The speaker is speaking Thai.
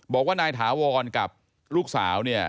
บอกว่านายถาวรกับลูกสาวเนี่ย